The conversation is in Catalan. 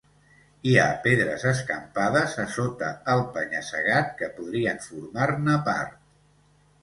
Hi ha pedres escampades a sota el penya-segat que podrien formar-ne part.